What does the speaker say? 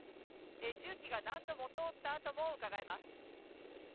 重機が何度も通った跡もうかがえます。